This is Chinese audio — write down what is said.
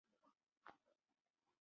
小臭鼩为鼩鼱科臭鼩属的动物。